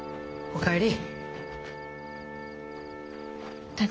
お帰り。